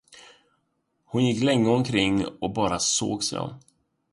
Hon gick länge omkring och bara såg sig om.